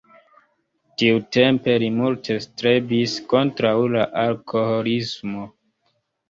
Tiutempe li multe strebis kontraŭ la alkoholismo.